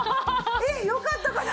えっよかったかな？